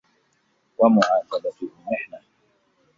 وَمُعَاتَبَتُهُ مِحْنَةٌ